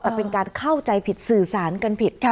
แต่เป็นการเข้าใจผิดสื่อสารกันผิด